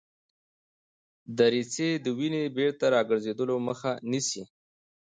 دریڅې د وینې د بیرته ګرځیدلو مخه نیسي.